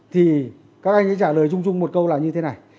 thì các anh ấy trả lời chung chung một câu là như thế này